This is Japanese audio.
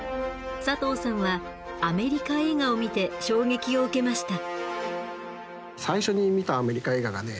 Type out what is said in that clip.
佐藤さんはアメリカ映画を見て衝撃を受けました。